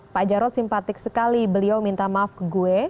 pak jarod simpatik sekali beliau minta maaf ke gue